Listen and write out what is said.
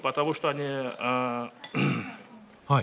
はい。